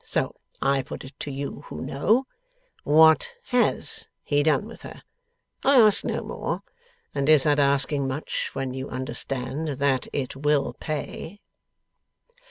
So I put it to you, who know: What HAS he done with her? I ask no more. And is that asking much, when you understand that it will pay?